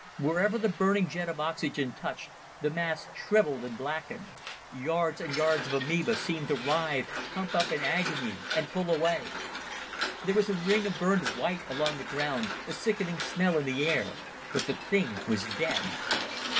Wherever the burning jet of oxygen touched, the mass shriveled and blackened. Yards and yards of amoeba seemed to writhe, hump upward in agony, and pull away. There was a ring of burned white along the ground, a sickening smell in the air, but the thing was dead.